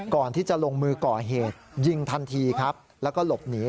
ก่อนที่จะลงมือก่อเหตุยิงทันทีครับแล้วก็หลบหนี